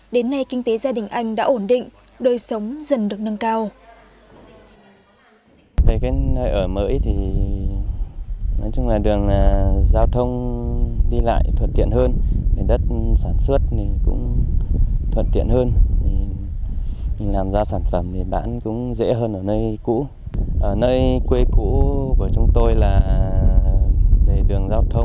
đến nay kinh tế gia đình anh đã ổn định đời sống dần được nâng cao